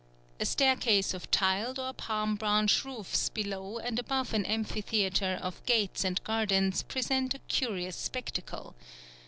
A staircase of tiled or palm branch roofs below and above an amphitheatre of gates and gardens present a curious spectacle.